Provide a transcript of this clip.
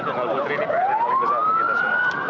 tunggal putri ini pengen paling besar untuk kita semua